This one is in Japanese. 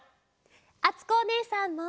あつこおねえさんも！